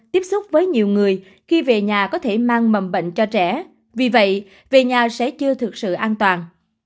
tiếp xúc với nhiều người khi về nhà có thể mang mầm bệnh cho trẻ vì vậy về nhà sẽ chưa thực sự an toàn